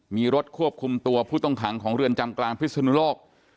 มีรถควบคุมตัวผู้ต้องขังของเรือนจำกลางพิศนุโลก